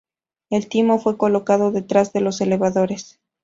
El timón fue colocado detrás de los elevadores.